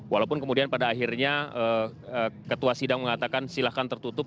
walaupun kemudian pada akhirnya ketua sidang mengatakan silahkan tertutup